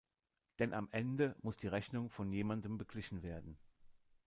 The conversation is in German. Denn am Ende muss die Rechnung von jemandem beglichen werden.